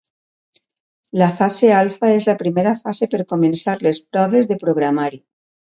La fase alfa és la primera fase per començar les proves de programari.